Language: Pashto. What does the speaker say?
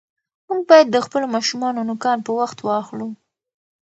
موږ باید د خپلو ماشومانو نوکان په وخت واخلو.